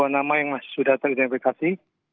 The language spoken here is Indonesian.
dua nama yang sudah teridentifikasi